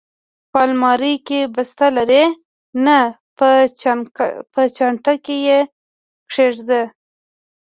په المارۍ کې، بسته لرې؟ نه، په چانټه کې یې کېږده.